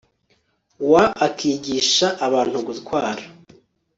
wa akigisha abantu gutwara